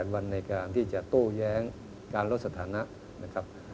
๒๘วันในการที่จะโตแย้งการลดสถานะ